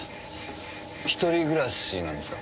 一人暮らしなんですか？